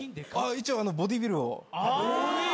一応ボディビルを。